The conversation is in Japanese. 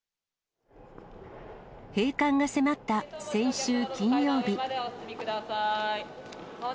閉館が迫った先週金曜日。